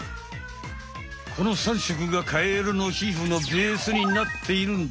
この３色がカエルのひふのベースになっているんだ。